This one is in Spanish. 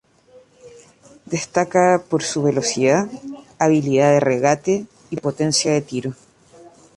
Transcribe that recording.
Destaca por su velocidad, habilidad de regate, y potencia de tiro.